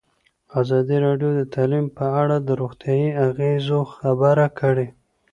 ازادي راډیو د تعلیم په اړه د روغتیایي اغېزو خبره کړې.